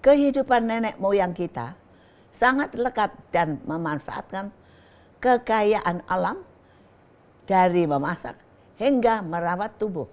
kehidupan nenek moyang kita sangat lekat dan memanfaatkan kekayaan alam dari memasak hingga merawat tubuh